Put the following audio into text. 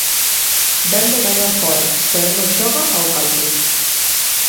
Vén de gañar fóra, pero non xoga ao cálculo.